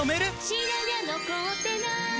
「白髪残ってない！」